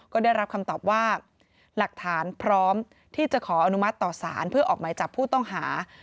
ก็ได้รับคำตอบว่าหลักฐานพร้อมที่จะขออนุมัติต่อสารเพื่อออกหมายจับผู้ต้องหา